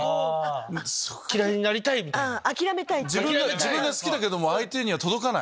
自分が好きだけど相手には届かない。